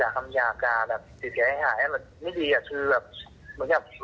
ด่าคำหยาบด่าแบบสิทธิ์ให้หายไม่ดีอะคือแบบ